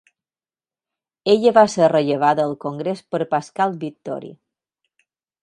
Ella va ser rellevada al Congrés per Pascal Vittori.